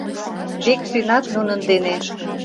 Векшинат нунын дене.